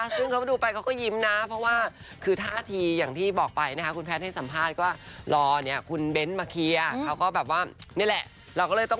เตรียมตัวอย่างไรกันบ้าง